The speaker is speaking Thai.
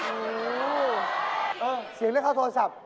เสียงเรียกเข้าโทรศัพท์